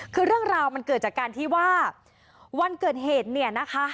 คือเรื่องราวมันเกิดจากการที่ว่าวันเกิดเหตุเนี่ยนะคะ